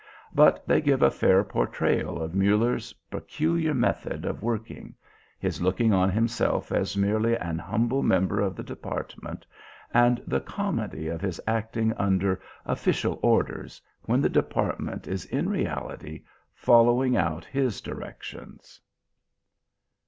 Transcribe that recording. But they give a fair portrayal of Muller's peculiar method of working, his looking on himself as merely an humble member of the Department, and the comedy of his acting under "official orders" when the Department is in reality following out his directions.